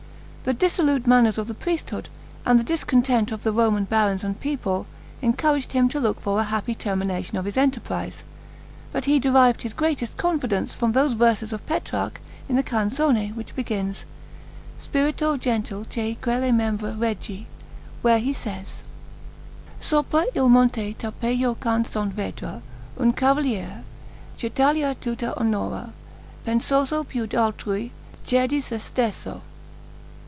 The dissolute manners of the priesthood, and the discontent of the Roman barons and people, encouraged him to look for a happy termination of his enterprise; but he derived his greatest confidence from those verses of Petrarch in the canzone which begins, "Spirto gentil che quelle membra reggi," where he says, "Sopra il Monte Tarpejo canzon vedra, Un cavalier, ch' Italia tutta onora, Pensoso piu d'altrui, che di se stesso."